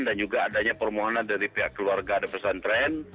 dan juga adanya permohonan dari pihak keluarga pesantren